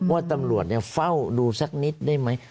ว่าตำรวจเฝ้าดูสักนิดได้ไหม